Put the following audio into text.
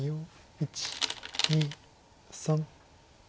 １２３。